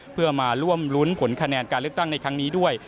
เพื่อมาร่วมรุ้นผลคะแนนการเลือกตั้งในครั้งนี้ด้วย